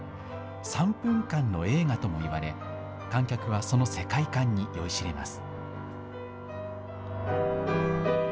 ３分間の映画ともいわれ、観客はその世界観に酔いしれます。